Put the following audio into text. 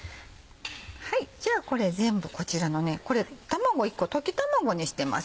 じゃあこれ全部こちらのこれ卵１個溶き卵にしてます。